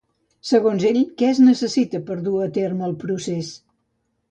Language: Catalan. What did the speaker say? Segons ell, què es necessita per dur a terme el procés?